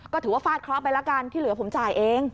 ก็ถือว่าฟาดเคราะห์ไปแล้วกันที่เหลือผมจ่ายเอง